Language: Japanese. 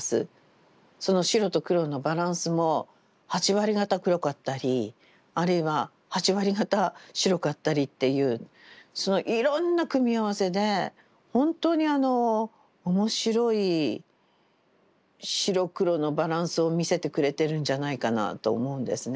その白と黒のバランスも８割方黒かったりあるいは８割方白かったりっていうそのいろんな組み合わせでほんとに面白い白黒のバランスを見せてくれてるんじゃないかなと思うんですね。